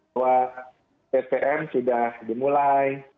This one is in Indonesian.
bahwa ptm sudah dimulai